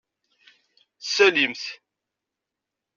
Salim-t.